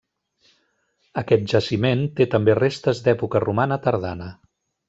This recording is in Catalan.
Aquest jaciment té també restes d'època romana tardana.